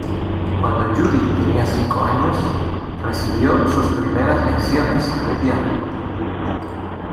Cuando Judy tenía cinco años, recibió sus primeras lecciones de piano.